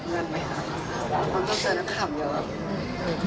ต้องได้เจอหนักข่ามเยอะ